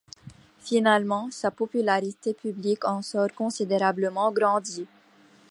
Finalement, sa popularité publique en sort considérablement grandie.